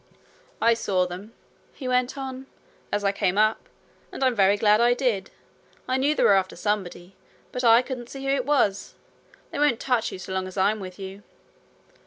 'I saw them,' he went on, 'as I came up; and I'm very glad I did. I knew they were after somebody, but I couldn't see who it was. They won't touch you so long as I'm with you.'